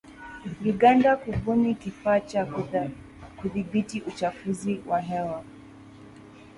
Uganda kubuni kifaa cha kudhibiti uchafuzi wa hewa.